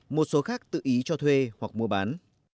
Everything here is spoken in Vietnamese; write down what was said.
một số khác tự ý cho thuê hoặc mua bán